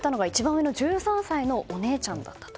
上の１３歳のお姉ちゃんだったと。